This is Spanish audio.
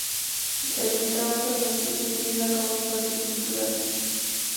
Rehabilitado, actualmente se utiliza como espacio cultural.